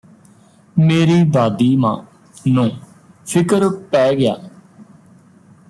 ਮੇਰੀ ਦਾਦੀ ਮਾਂ ਨੂੰ ਫ਼ਿਕਰ ਪੈ ਗਿਆ